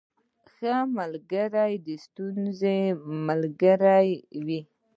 • ښه ملګری د ستونزو ملګری وي.